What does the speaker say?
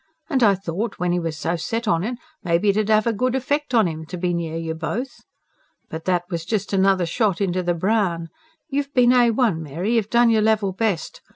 And I thought, when he was so set on it, may be it'd have a good effect on 'im, to be near you both. But that was just another shoot into the brown. You've been A1, Mary; you've done your level best.